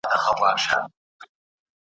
بیا پسرلی سو دښتونه شنه سول `